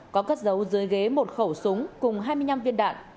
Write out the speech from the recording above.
có cất dấu dưới ghế một khẩu súng cùng hai mươi năm viên đạn